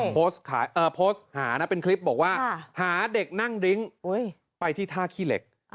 โพสต์หานะเป็นคลิปบอกว่าหาเด็กนั่งดริ้งไปที่ท่าขี้เหล็ก